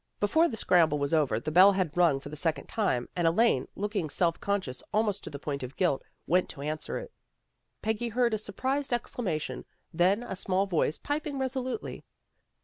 Before the scramble was over the bell had rung for the second time, and Elaine, looking self conscious almost to the point of guilt, went to answer it. Peggy heard a surprised exclama tion, then a small voice piping resolutely.